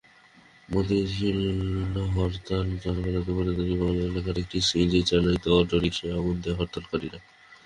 মতিঝিলহরতাল চলাকালে দুপুরে দৈনিক বাংলা এলাকায় একটি সিএনজিচালিত অটোরিকশায় আগুন দেয় হরতালকারীরা।